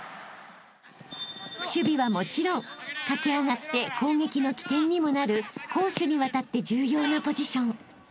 ［守備はもちろん駆け上がって攻撃の起点にもなる攻守にわたって重要なポジション］